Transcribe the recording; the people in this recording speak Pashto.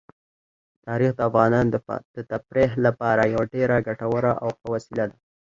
تاریخ د افغانانو د تفریح لپاره یوه ډېره ګټوره او ښه وسیله ده.